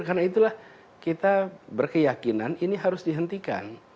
karena itulah kita berkeyakinan ini harus dihentikan